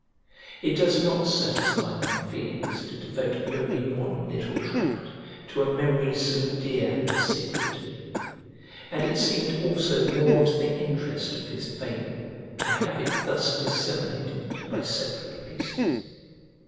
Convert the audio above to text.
It does not satisfy my feelings to devote only one little tract to a memory so dear and sacred to me, and it seemed also more to the interest of his fame to have it thus disseminated by separate pieces.